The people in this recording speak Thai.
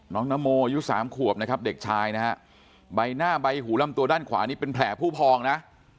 นโมอายุ๓ขวบนะครับเด็กชายนะฮะใบหน้าใบหูลำตัวด้านขวานี่เป็นแผลผู้พองนะ